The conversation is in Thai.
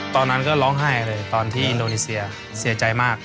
ตอนนั้นก็ร้องไห้เลยตอนที่อินโดนีเซียเสียใจมาก